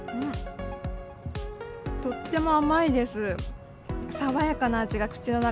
とっても甘いです。